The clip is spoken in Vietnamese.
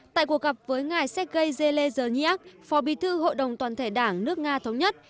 tại cuộc gặp với ngài sergei zellesk phó bí thư hội đồng toàn thể đảng nước nga thống nhất